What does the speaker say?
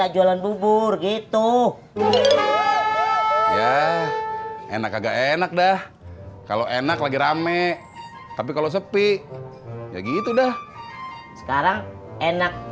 jualan bubur gitu ya enak agak enak dah kalau enak lagi rame tapi kalau sepi ya gitu dah sekarang enak